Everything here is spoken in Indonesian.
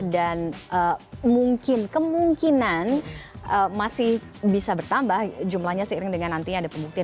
dan mungkin kemungkinan masih bisa bertambah jumlahnya seiring dengan nantinya ada pembuktian